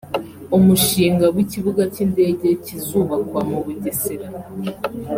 umushinga w’ikibuga cy’indege kizubakwa mu Bugesera